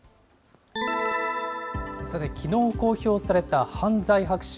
さて、きのう公表された犯罪白書。